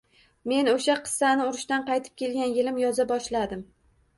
Men o‘sha qissani urushdan qaytib kelgan yilim yoza boshladim